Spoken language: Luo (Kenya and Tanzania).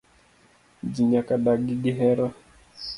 Ji nyaka dagi gi hera.